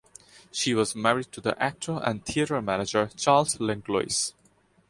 She was married to the actor and theater manager Charles Langlois.